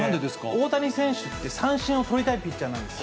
大谷選手って、三振を取りたいピッチャーなんです。